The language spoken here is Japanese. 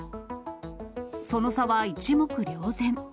その差は一目瞭然。